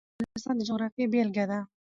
بدخشان د افغانستان د جغرافیې بېلګه ده.